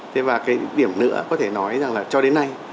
thế và cái điểm nữa có thể nói rằng là cho đến nay